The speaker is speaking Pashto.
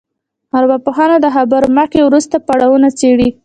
ارواپوهنه د خبرو مخکې او وروسته پړاوونه څېړي